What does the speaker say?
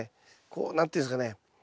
こう何て言うんですかね